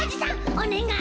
おねがい。